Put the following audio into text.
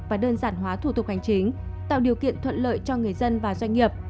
và đơn giản hóa thủ tục hành chính tạo điều kiện thuận lợi cho người dân và doanh nghiệp